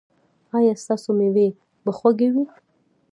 ایا ستاسو میوې به خوږې وي؟